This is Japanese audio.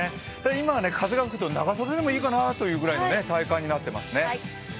今は風が吹くと長袖でもいいかなというくらいの体感になってます。